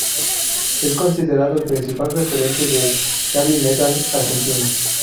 Es considerado el principal referente del "heavy metal" argentino.